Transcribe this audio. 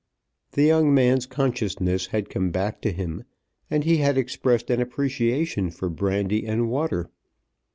The young man's consciousness had come back to him, and he had expressed an appreciation for brandy and water.